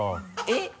えっ？